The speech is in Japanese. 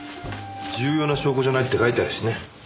重要な証拠じゃないって書いてあるしね。